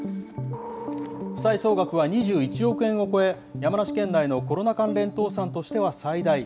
負債総額は２１億円を超え、山梨県内のコロナ関連倒産としては最大。